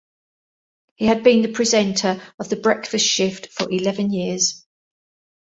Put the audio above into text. He had been the presenter of the Breakfast shift for eleven years.